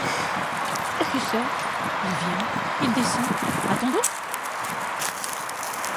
Qui sait ? il vient ! il descend ! attendons !